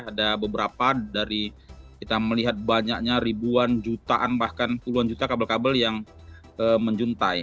ada beberapa dari kita melihat banyaknya ribuan jutaan bahkan puluhan juta kabel kabel yang menjuntai